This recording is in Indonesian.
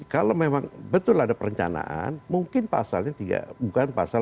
kalau memang betul ada perencanaan mungkin pasalnya bukan pasal tiga ratus tiga puluh delapan